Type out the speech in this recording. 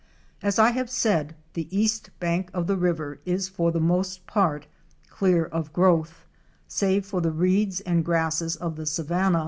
As I have said the east bank of the river is for the most part clear of growth, save for the reeds and grasses of the savanna.